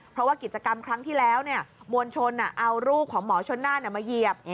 เพราะว่ากิจกรรมครั้งที่แล้วมวลชนเอารูปของหมอชนน่านมาเหยียบ